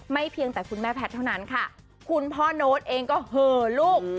เพียงแต่คุณแม่แพทย์เท่านั้นค่ะคุณพ่อโน้ตเองก็เหอลูก